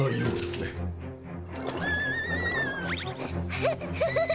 ハッフフフ。